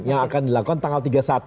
yang akan dilakukan tanggal tiga puluh satu